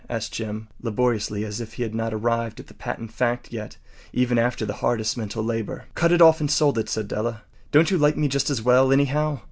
” asked Jim, laboriously, as if he had not arrived at that patent fact yet even after the hardest mental labor. “Cut it off and sold it,” said Della. “Don’t you like me just as well, anyhow?